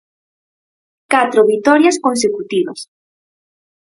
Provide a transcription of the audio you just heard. Catro vitorias consecutivas.